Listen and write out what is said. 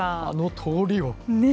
あの通りを？